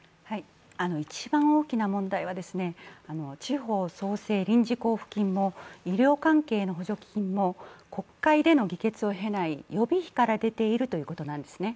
一番大きな問題は、地方創生臨時交付金も医療関係の補助金も国会での議決を経ない予備費から出ているということなんですね。